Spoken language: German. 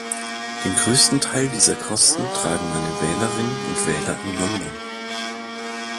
Den größten Teil dieser Kosten tragen meine Wählerinnen und Wähler in London.